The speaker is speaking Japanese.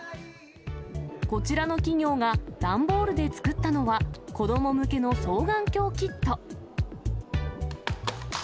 こちらの企業が、段ボールで作ったのは、子ども向けの双眼鏡キット。